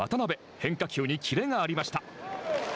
変化球に切れがありました。